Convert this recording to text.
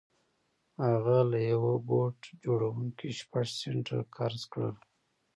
هغه له يوه بوټ جوړوونکي شپږ سنټه قرض کړل.